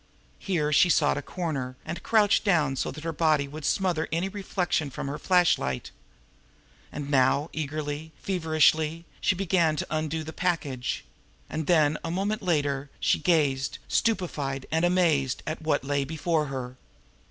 Here she sought a corner, and crouched down so that her body would smother any reflection from her flashlight. And now, eagerly, feverishly, she began to undo the package; and then, a moment later, she gazed, stupefied and amazed, at what lay before her.